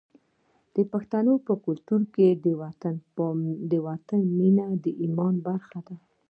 د پښتنو په کلتور کې د وطن مینه د ایمان برخه ده.